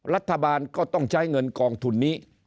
รัฐบาลก็ต้องใช้เงินกองทุนนี้